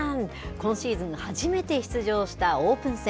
今シーズン初めて出場したオープン戦。